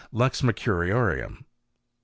Lux Mercuriorum. 14.